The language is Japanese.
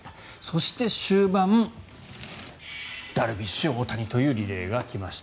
そして、終盤ダルビッシュ、大谷というリレーが来ました。